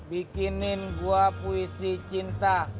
bikinin gua puisi cinta